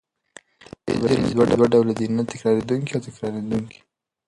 طبیعي زېرمې دوه ډوله دي: نه تکرارېدونکې او تکرارېدونکې.